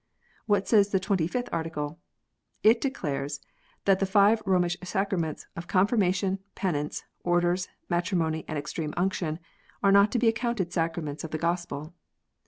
^ What says the Twenty fifth Article ? It declares that the five Romish sacraments of confirmation, penance, orders, matri mony, and extreme unction, are not to be accounted sacraments of the Gospel.